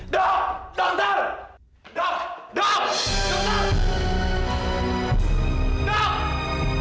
kamu yang lakuin kamu yang ngasih hati